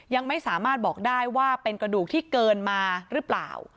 ยังไม่สามารถบอกได้ว่าเป็นกระดูกที่เกินมาหรือเปล่า